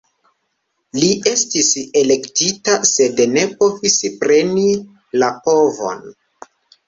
Li estis elektita, sed ne povis preni la povon.